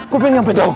kupin nyampe dong